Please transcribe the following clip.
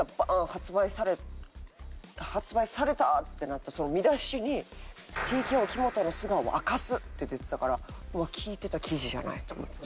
発売され発売された！ってなったその見出しに「ＴＫＯ木本の素顔を明かす」って出てたから聞いてた記事じゃないと思って。